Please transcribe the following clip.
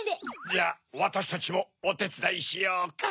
じゃあわたしたちもおてつだいしようか。